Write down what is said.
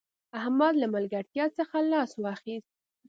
احمد له ملګرتیا څخه لاس واخيست